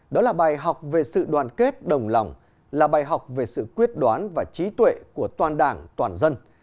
đó là bài học về sự đoàn kết đồng lòng là bài học về sự quyết đoán và trí tuệ của toàn đảng toàn dân